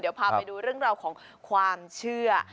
เดี๋ยวพาไปดูเรื่องราวของความเชื่อ